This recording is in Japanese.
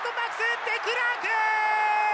デクラーク！